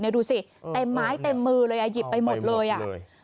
ดูสิเต็มไม้เต็มมือเลยอ่ะหยิบไปหมดเลยอ่ะ